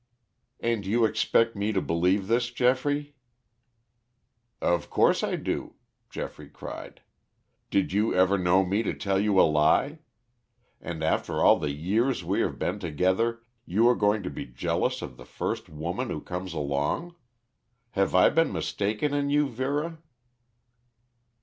"And you expect me to believe this, Geoffrey?" "Of course I do," Geoffrey cried. "Did you ever know me tell you a lie? And, after all the years we have been together, you are going to be jealous of the first woman who comes along! Have I been mistaken in you, Vera?"